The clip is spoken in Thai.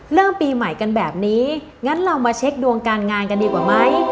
เริ่มปีใหม่กันแบบนี้งั้นเรามาเช็คดวงการงานกันดีกว่าไหม